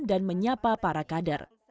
dan menyapa para kader